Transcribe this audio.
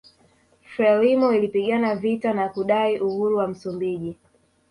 Frelimo ilipigana vita na kudai uhuru wa Msumbiji